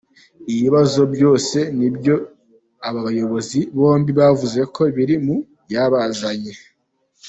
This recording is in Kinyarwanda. Ibi bibazo byose ni byo aba bayobozi bombi bavuzeko biri mu byabazanye.